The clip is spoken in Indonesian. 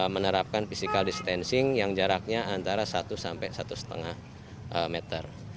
menerapkan physical distancing yang jaraknya antara satu sampai satu lima meter